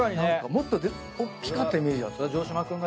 もっとおっきかったイメージ。